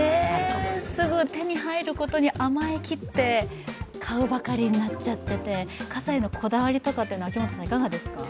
すぐ手に入ることに甘えきって、買うばかりになっちゃってて傘へのこだわりとかっていうのは秋元さんいかがですか。